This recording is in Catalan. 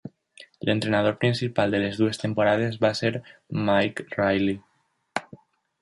L'entrenador principal de les dues temporades va ser Mike Riley.